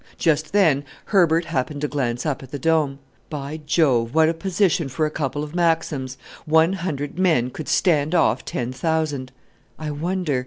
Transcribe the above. '" Just then Herbert happened to glance up at the Dome. "By Jove! what a position for a couple of maxims. One hundred men could stand off ten thousand. I wonder!